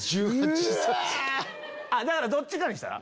だからどっちかにしたら？